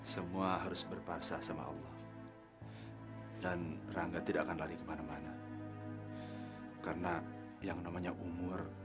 semua harus berparsa sama allah dan rangga tidak akan lari kemana mana karena yang namanya umur